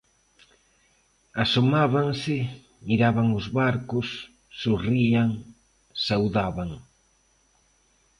Asomábanse, miraban os barcos, sorrían, saudaban.